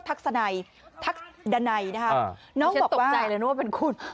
ทักดันัยนะครับน้องบอกว่าฉันตกใจเลยนึกว่าเป็นคุณ